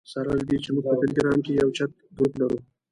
سره له دې چې موږ په ټلګرام کې یو چټ ګروپ لرو.